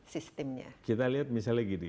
sistemnya kita lihat misalnya gini